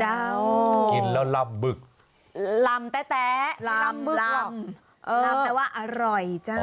เจ้ากินแล้วลำบึกลำแต่ไม่ลำบึกหรอกลำแต่ว่าอร่อยเจ้า